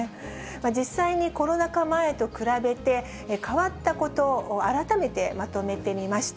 実際にコロナ禍前と比べて、変わったこと、改めてまとめてみました。